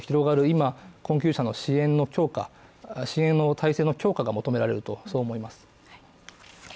今、困窮者の支援の強化、支援体制の強化が求められると思います。